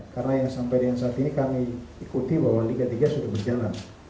karena yang sampai saat ini kami ikuti bahwa liga tiga sudah berjalan